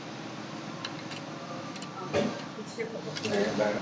Zastával funkci předsedy okresního silničního výboru.